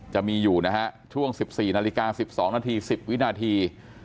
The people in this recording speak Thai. จะมีอยู่นะฮะช่วง๑๔นาฬิกา๑๒นาที๑๐วินาที